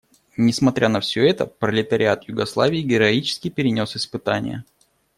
Несмотря на все это пролетариат Югославии героически перенес испытания.